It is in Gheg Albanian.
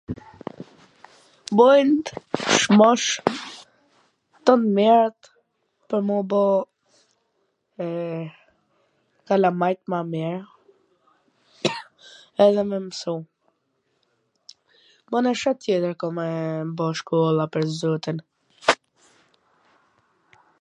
Bojn Cmosh tw mirat pwr me u bo kalamajt ma mir edhe me msu. Mana sha tjetwr ka me bo shkolla pwr zotin?